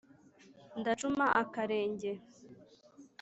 ndacuma akarenge!